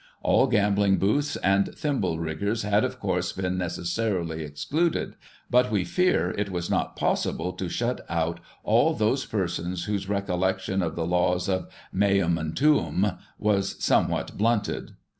All gambling booths and thimble riggers had, of course, been necessarily excluded, but we fear it was not possible to shut out all those persons whose recollection of the laws of meum and tuum was somewhat blimted.